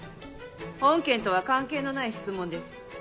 本件とは関係のない質問です。